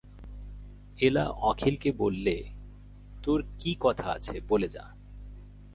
এলা অখিলকে বললে, তোর কী কথা আছে বলে যা।